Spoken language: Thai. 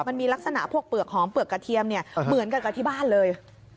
มันมีลักษณะพวกเปลือกหอมเปลือกกระเทียมเนี่ยเหมือนกันกับที่บ้านเลย